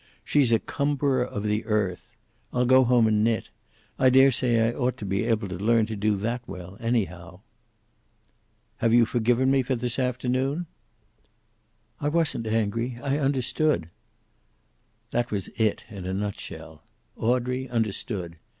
She's a cumberer of the earth. I'll go home and knit. I daresay I ought to be able to learn to do that well, anyhow." "Have you forgiven me for this afternoon?" "I wasn't angry. I understood." That was it, in a nutshell. Audrey understood.